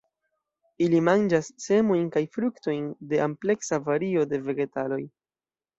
Ili manĝas semojn kaj fruktojn de ampleksa vario de vegetaloj.